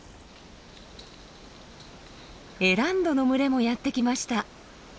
エランドの群れもやって来ました。